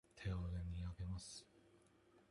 手を上に上げます。